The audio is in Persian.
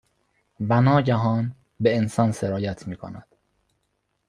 و ناگهان، به انسان سرایت میکند